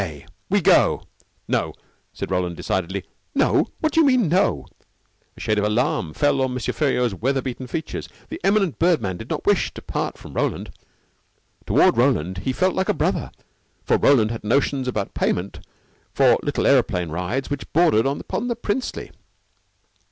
K. We go on." "No," said Roland decidedly. "No? What you mean no?" A shade of alarm fell on M. Feriaud's weather beaten features. The eminent bird man did not wish to part from Roland. Toward Roland he felt like a brother, for Roland had notions about payment for little aeroplane rides which bordered upon the princely.